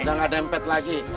udah gak dempet lagi